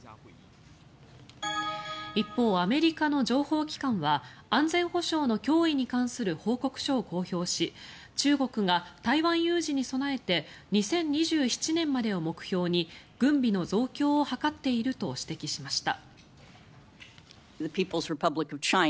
一方、アメリカの情報機関は安全保障の脅威に関する報告書を公表し中国が台湾有事に備えて２０２７年までを目標に軍備の増強を図っていると指摘しました。